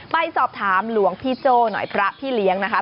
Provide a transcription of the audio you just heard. ไปสอบถามหลวงพี่โจ้หน่อยพระพี่เลี้ยงนะคะ